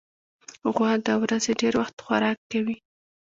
غوا د ورځې ډېری وخت خوراک کوي.